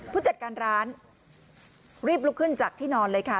ผู้จัดการร้านรีบลุกขึ้นจากที่นอนเลยค่ะ